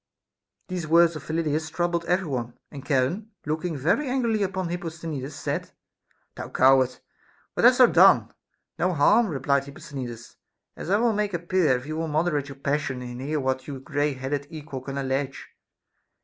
These words of Phyllidas troubled every one ; and Cha ron, looking very angrily upon Hipposthenides, said : Thou coward ! what hast thou done ? No harm, replied Hipposthenides, as I will make appear if you will mod erate your passion and hear what your gray headed equal can allege.